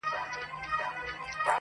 د فاصلو په تول کي دومره پخه سوې يمه,